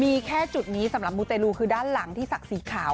มีแค่จุดนี้สำหรับมูเตลูคือด้านหลังที่ศักดิ์สีขาว